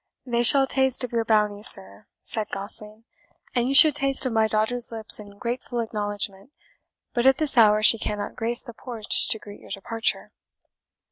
"They shall taste of your bounty, sir," said Gosling, "and you should taste of my daughter's lips in grateful acknowledgment, but at this hour she cannot grace the porch to greet your departure."